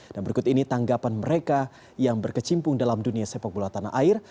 dan berikut ini tanggapan mereka yang berkecimpung dalam dunia sepak bola tanah air